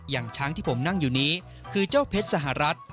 อย่างช้างที่ผมนั่งอยู่นี้คือเจ้าเพชรสหรัฐ